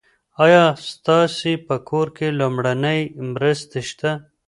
ایا ستاسي په کور کې لومړنۍ مرستې شته؟